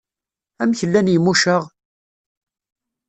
Amek llan Yimucaɣ?